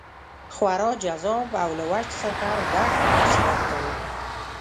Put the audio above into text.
خورا جذاب او له وجد څخه ډک نصیحت کاوه.